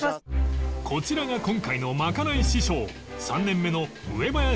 こちらが今回のまかない師匠